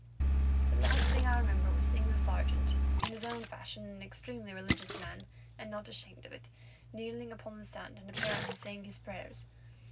The last thing I remember was seeing the Sergeant, in his own fashion an extremely religious man, and not ashamed of it, kneeling upon the sand and apparently saying his prayers.